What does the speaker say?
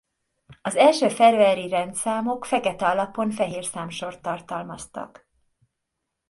Az első feröeri rendszámok fekete alapon fehér számsort tartalmaztak.